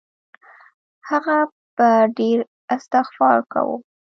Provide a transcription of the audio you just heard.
هغه به ډېر استغفار کاوه.